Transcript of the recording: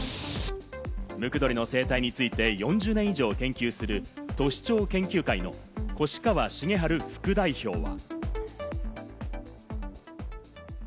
ムクドリの生態について４０年以上研究する都市鳥研究会の越川重治副代表は。